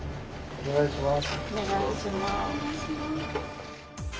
お願いします。